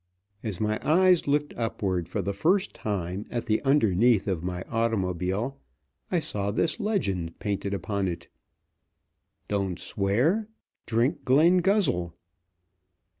As my eyes looked upward for the first time at the underneath of my automobile, I saw this legend painted upon it: "Don't swear. Drink Glenguzzle."